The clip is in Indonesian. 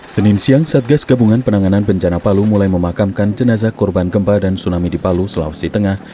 senin siang satgas gabungan penanganan bencana palu mulai memakamkan jenazah korban gempa dan tsunami di palu sulawesi tengah